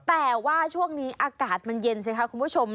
แต่ว่าช่วงนี้อากาศมันเย็นใช่ไหมครับคุณผู้ชม